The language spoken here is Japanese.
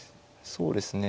そうですね。